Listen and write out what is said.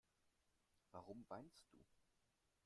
Warum weinst du?